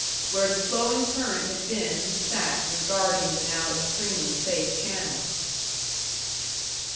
Where the flowing current had been he sat, regarding the now extremely safe channel.